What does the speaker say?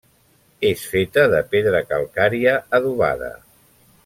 És feta de pedra calcària adobada.